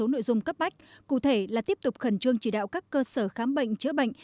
sáu nội dung cấp bách cụ thể là tiếp tục khẩn trương chỉ đạo các cơ sở khám bệnh chữa bệnh